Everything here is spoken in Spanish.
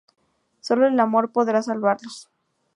Sólo el amor podrá salvarlos.